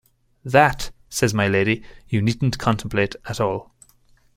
"That," says my Lady, "you needn't contemplate at all."